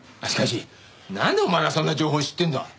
しかしなんでお前がそんな情報知ってんだ？